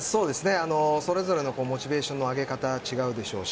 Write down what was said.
それぞれのモチベーションの上げ方、違うでしょうし